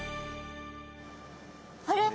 あれ？